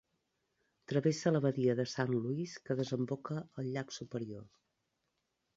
Travessa la badia de Saint Louis que desemboca al llac Superior.